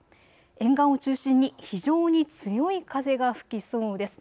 沿岸を中心に非常に強い風が吹きそうです。